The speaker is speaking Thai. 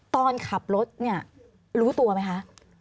ตอนขับรถเนี่ยรู้ตัวไหมคะ